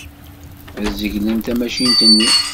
Ad zeglen tamacint-nni.